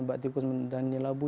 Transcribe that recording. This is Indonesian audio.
mbak tikus mendandani labu